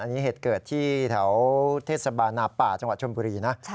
อันนี้เหตุเกิดที่แถวเทศบาลนาป่าจังหวัดชนบุรีนะ